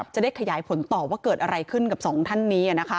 จะได้ขยายผลต่อว่าเกิดอะไรขึ้นกับสองท่านนี้